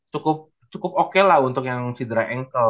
cukup cukup oke lah untuk dr algo